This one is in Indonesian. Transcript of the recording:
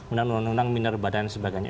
undang undang minor badan dan sebagainya